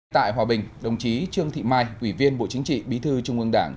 tại hòa bình đồng chí trương thị mai ủy viên bộ chính trị bí thư trung ương đảng